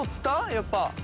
やっぱ。